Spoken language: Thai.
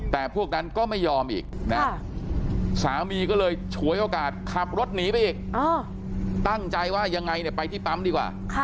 แต่พวกนั้นก็ไม่ยอมอีกนะสามีก็เลยฉวยโอกาสขับรถหนีไปอีกตั้งใจว่ายังไงเนี่ยไปที่ปั๊มดีกว่า